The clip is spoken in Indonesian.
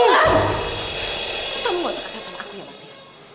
kamu buat kesalahan aku ya mas ya